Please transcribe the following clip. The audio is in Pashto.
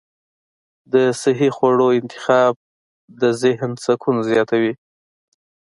د صحي خواړو انتخاب د ذهن سکون زیاتوي.